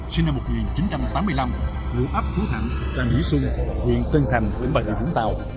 sinh năm một nghìn chín trăm tám mươi năm ngũ áp phú thạnh xã mỹ xuân